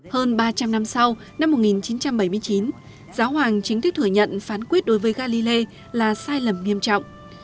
hơn ba trăm linh năm sau năm một nghìn chín trăm bảy mươi chín giáo hoàng chính thức thừa nhận phán quyết đối với galilei là sai lầm nghiêm trọng